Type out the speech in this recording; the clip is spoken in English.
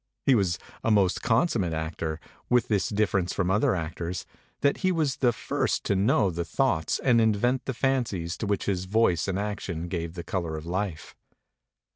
He was a most consum mate actor, with this difference from other actors, that he was the first to know the thoughts and invent the fancies to which his voice and action gave the color of life.